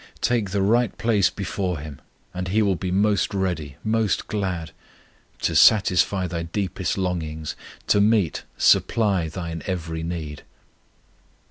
Take the right place before Him, and He will be most ready, most glad, to "Satisfy thy deepest longings, to meet, supply thine every need."